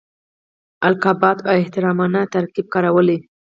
القابات او احترامانه تراکیب کارولي.